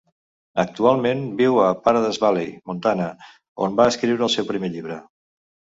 Actualment viu a Paradise Valley, Montana, on va escriure el seu primer llibre.